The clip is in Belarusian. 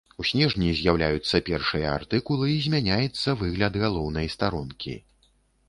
У снежні з'яўляюцца першыя артыкулы і змяняецца выгляд галоўнай старонкі.